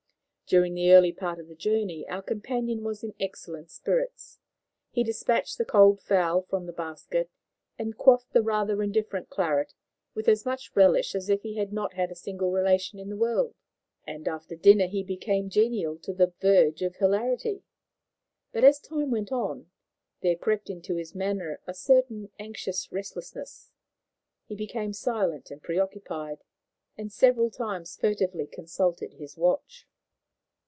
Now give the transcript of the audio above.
During the early part of the journey our companion was in excellent spirits. He despatched the cold fowl from the basket and quaffed the rather indifferent claret with as much relish as if he had not had a single relation in the world, and after dinner he became genial to the verge of hilarity. But, as time went on, there crept into his manner a certain anxious restlessness. He became silent and preoccupied, and several times furtively consulted his watch.